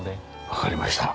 わかりました。